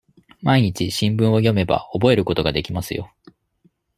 毎日、新聞を読めば、覚えることができますよ。